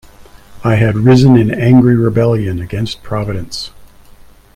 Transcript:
I had risen in angry rebellion against Providence.